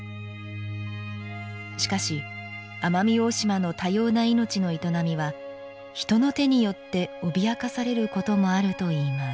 しかし、奄美大島の多様な命の営みは、人の手によって脅かされることもあるといいます。